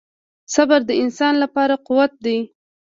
• صبر د انسان لپاره قوت دی.